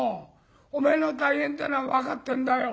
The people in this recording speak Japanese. おめえの大変ってえのは分かってんだよ。